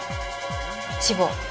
死亡。